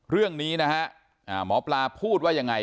เรื่องนี้นะฮะหมอปลาพูดว่ายังไง